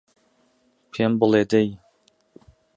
پێم بڵێ دەی